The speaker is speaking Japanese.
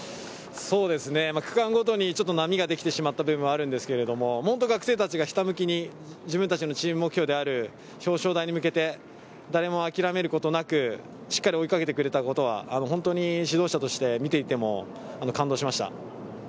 区間ごとに波ができてしまったのはあるんですけれど、学生たちがひたむきに自分たちのチーム目標である表彰台に向けて諦めることなく、しっかり追い掛けてくれたことは本当に指導者として見ていても感動しました。